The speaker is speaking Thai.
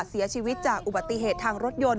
เสียชีวิตจากอุบัติเหตุทางรถยนต์